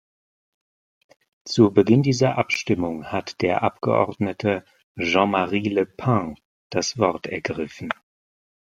Zu Beginn dieser Abstimmung hat der Abgeordnete Jean-Marie Le Pen das Wort ergriffen.